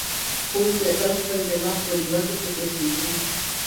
ښوونکی تل د خپل دماغ په ډیوه کې فکر سېځي.